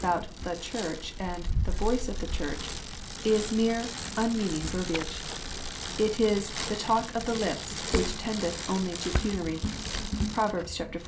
11 about " the Church " and the " voice of the Church " is mere unmeaning verbiage. It is " the talk of the lips, which tendeth only to penury." (Prov. xiv.